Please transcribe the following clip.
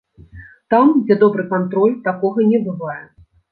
Там, дзе добры кантроль, такога не бывае.